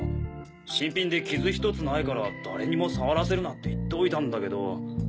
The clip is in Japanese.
新品でキズひとつないから誰にも触らせるなって言っておいたんだけど。